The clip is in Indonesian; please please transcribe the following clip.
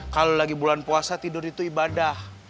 kalau lagi bulan puasa tidur itu ibadah